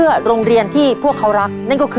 ทางโรงเรียนยังได้จัดซื้อหม้อหุงข้าวขนาด๑๐ลิตร